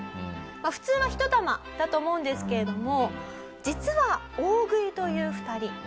普通は１玉だと思うんですけれども実は大食いという２人。